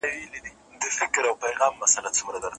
او لوی کارونه په آینده کي مخته درځي.